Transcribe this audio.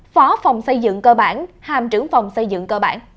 phó phòng xây dựng cơ bản hàm trưởng phòng xây dựng cơ bản